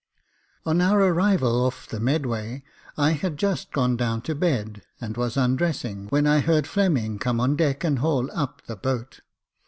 On our arrival off the Medway, I had just gone down to bed, and was undressing, when I heard Fleming come on deck and haul up the boat.